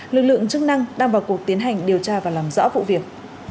lực lượng chức năng đang vào cuộc tiến hành điều tra và làm rõ vụ việc